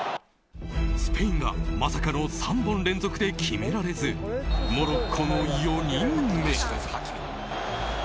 スペインがまさかの３本連続で決められずモロッコの４人目。